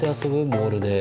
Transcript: ボールで。